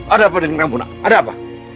ada apa dengan kamu nak ada apa